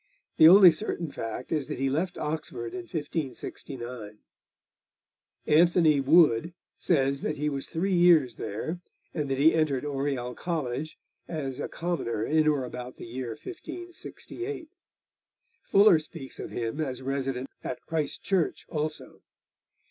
The only certain fact is that he left Oxford in 1569. Anthony à Wood says that he was three years there, and that he entered Oriel College as a commoner in or about the year 1568. Fuller speaks of him as resident at Christ Church also.